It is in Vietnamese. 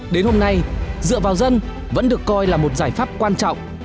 đến hôm nay dựa vào dân vẫn được coi là một giải pháp quan trọng